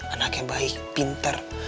anaknya baik pinter